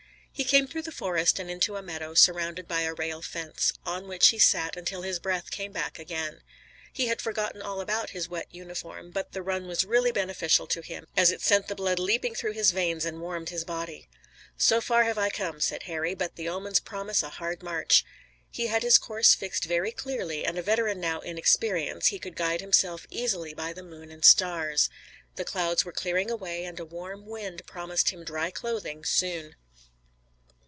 He came through the forest and into a meadow surrounded by a rail fence, on which he sat until his breath came back again. He had forgotten all about his wet uniform, but the run was really beneficial to him as it sent the blood leaping through his veins and warmed his body. "So far have I come," said Harry, "but the omens promise a hard march." He had his course fixed very clearly, and a veteran now in experience, he could guide himself easily by the moon and stars. The clouds were clearing away and a warm wind promised him dry clothing, soon.